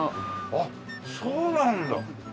あっそうなんだ。